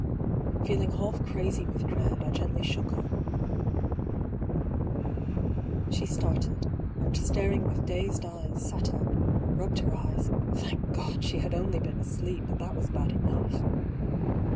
Feeling half crazy with dread, I gently shook her. She started, and staring with dazed eyes, sat up, rubbed her eyes (thank God ! she had only been asleep, but that was bad enough